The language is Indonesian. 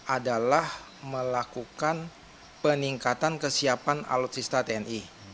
adalah melakukan peningkatan kesiapan alutsista tni